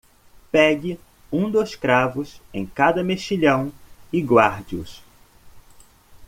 Pegue um dos cravos em cada mexilhão e guarde-os.